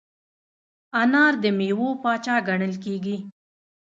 انار د میوو پاچا ګڼل کېږي.